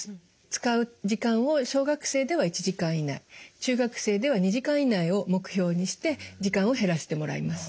使う時間を小学生では１時間以内中学生では２時間以内を目標にして時間を減らしてもらいます。